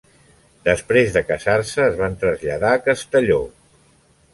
Després de casar-se, es van traslladar a Castelló.